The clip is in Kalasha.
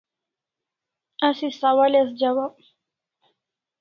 Asi sawal as jawab